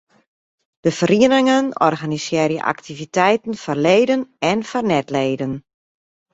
De ferieningen organisearje aktiviteiten foar leden en foar net-leden.